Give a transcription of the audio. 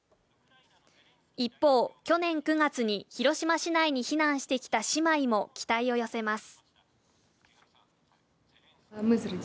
一方、去年９月に広島市内に避難してきた姉妹も期待を寄せます。